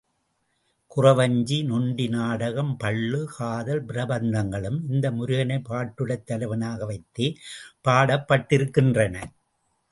குறவஞ்சி, நொண்டி நாடகம், பள்ளு, காதல், பிரபந்தங்களும், இந்த முருகனைப் பாட்டுடைத் தலைவனாக வைத்தே பாடப்பட்டிருக்கின்றன.